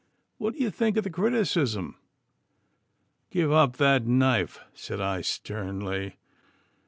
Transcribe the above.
what think you of the criticism?' 'Give up that knife,' said I sternly.